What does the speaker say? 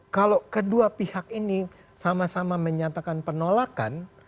kalau kedua pihak ini sama sama menyatakan penolakan